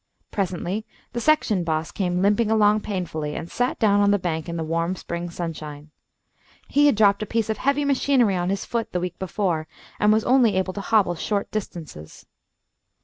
Presently the section boss came limping along painfully, and sat down on the bank in the warm spring sunshine. He had dropped a piece of heavy machinery on his foot, the week before, and was only able to hobble short distances.